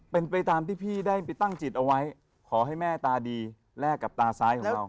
เป็นไปตามที่พี่ได้ไปตั้งจิตเอาไว้ขอให้แม่ตาดีแลกกับตาซ้ายของเรา